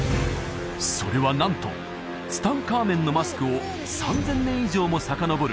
それはなんとツタンカーメンのマスクを３０００年以上もさかのぼる